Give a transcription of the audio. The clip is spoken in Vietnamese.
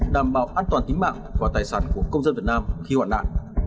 đảm bảo an toàn tính mạng và tài sản của công dân việt nam khi hoạn nạn